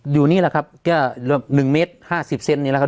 อยู่นี่แหละครับก็๑เมตร๕๐เซนนี่แหละครับ